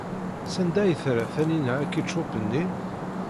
Sanda ay terra Taninna akičup-nni?